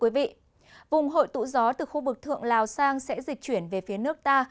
vùng hội tụ gió từ khu vực thượng lào sang sẽ dịch chuyển về phía nước ta